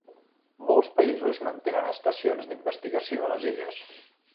Molts països mantenen estacions d'investigació a les illes.